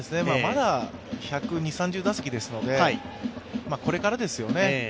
まだ１２０１３０打席ですので、これからですよね。